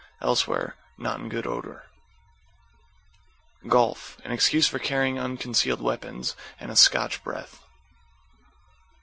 Elsewhere, not in good odor. =GOLF= An excuse for carrying unconcealed weapons and a Scotch breath.